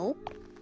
あ？